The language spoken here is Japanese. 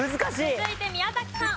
続いて宮崎さん。